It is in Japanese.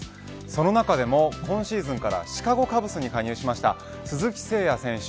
その中でも今シーズンからシカゴ・カブスに加入した鈴木誠也選手。